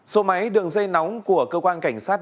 số máy đường dây nóng của cơ quan cảnh sát